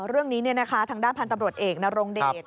เรื่องนี้ทางด้านพันธุ์ตำรวจเอกนรงเดช